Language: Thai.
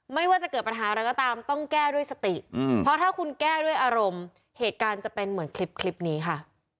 ไม่ว่าจะเกิดปัญหาอะไรก็ตามต้องแก้ด้วยสติเพราะถ้าคุณแก้ด้วยอารมณ์เหตุการณ์จะเป็นเหมือนคลิปนี้ค่ะ